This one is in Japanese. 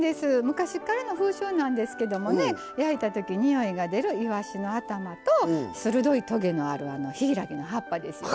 昔っからの風習なんですけどもね焼いたときにおいが出るいわしの頭と鋭いとげのあるヒイラギの葉っぱですよね。